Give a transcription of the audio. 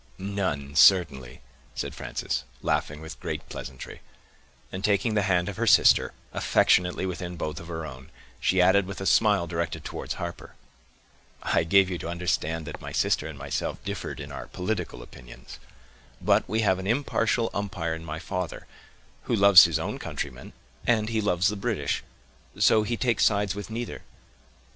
"None, certainly," said Frances, laughing with great pleasantry; and, taking the hand of her sister affectionately within both of her own, she added, with a smile directed towards Harper,— "I gave you to understand that my sister and myself differed in our political opinions; but we have an impartial umpire in my father, who loves his own countrymen, and he loves the British,—so he takes sides with neither."